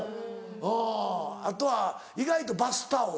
うんあとは意外とバスタオル。